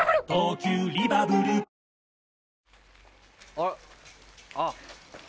あらあっ。